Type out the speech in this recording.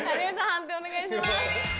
判定お願いします。